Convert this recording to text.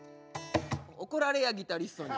怒られやギタリストに。